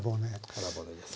腹骨です。